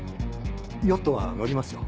ヨットは乗りますよ。